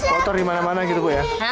kotor di mana mana gitu bu ya